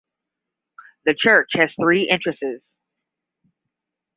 The church has three entrances.